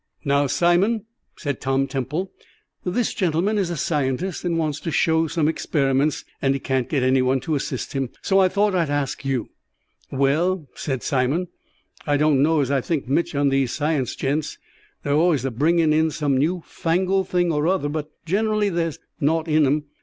"Now, Simon," said Tom Temple, "this gentleman is a scientist and wants to show some experiments, and he can't get any one to assist him, so I thought I'd ask you." "Well," said Simon, "I don't know as I think mich on these science gents. They're allays a bringin' in some new fangled thing or other, but generally there's nowt in 'em.